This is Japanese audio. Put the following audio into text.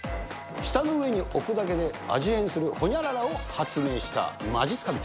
舌の上に置くだけで味変するほにゃららを発明したまじっすか人。